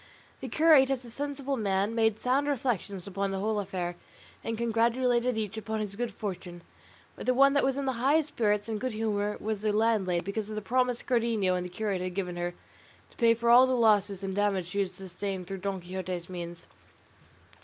The curate as a sensible man made sound reflections upon the whole affair, and congratulated each upon his good fortune; but the one that was in the highest spirits and good humour was the landlady, because of the promise Cardenio and the curate had given her to pay for all the losses and damage she had sustained through Don Quixote's means.